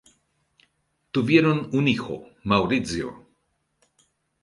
Tuvieron un hijo, Maurizio.